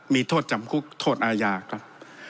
มีโทษจำคุกโทษอาญาครับ